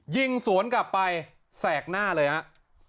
ยิงสวนกลับไปแสกหน้าเลยครับ